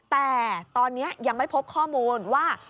แต่ตอนนี้ยังไม่พบข้อมูลว่า